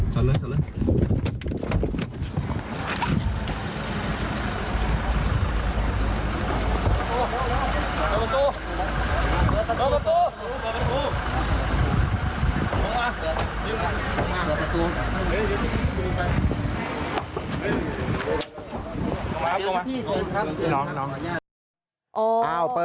เปิดประตูลงมาจากกลุ่มนี้